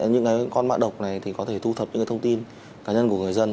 những con mạng độc này thì có thể thu thập những thông tin cá nhân của người dân